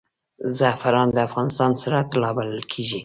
زعفران د افغانستان سره طلا بلل کیږي